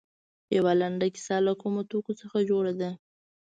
یوه لنډه کیسه له کومو توکو څخه جوړه ده.